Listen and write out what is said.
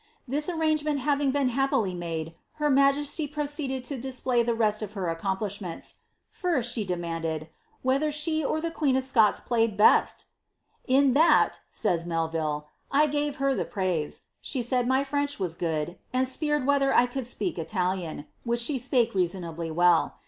This arrangement havinj been happily made, her majesty proceeded to display the rest of her ac complishinente. First, she demanded "whether she or the queen ol Scots played besi i" '* In that," says Melville, ^> I gave her the praise She said my French was go(>d, and apeered whether I could spe^ It* Iran, which she spoke reasonably well.